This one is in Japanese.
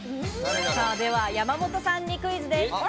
では山本さんにクイズです。